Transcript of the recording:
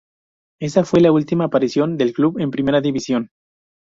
Esa fue la última aparición del club en primera división.